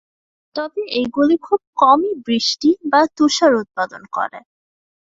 তবে এগুলি খুব কমই বৃষ্টি বা তুষার উৎপাদন করে।